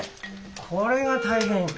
これが大変。